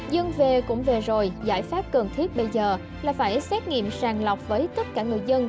dân về cũng về rồi giải pháp cần thiết bây giờ là phải xét nghiệm sàng lọc với tất cả người dân